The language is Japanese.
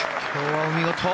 お見事！